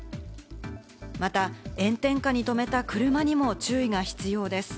また、炎天下に止めた車にも注意が必要です。